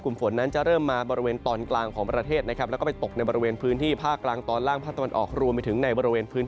กลุ่มฝนนั้นจะเริ่มมาบริเวณตอนกลางของประเทศนะครับ